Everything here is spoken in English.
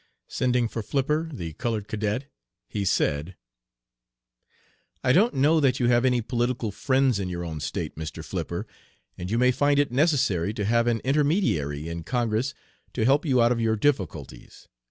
Sending for Flipper, the colored cadet, he said: "'I don't know that you have any political friends in your own State, Mr. Flipper, and you may find it necessary to have an intermediary in Congress to help you out of your difficulties.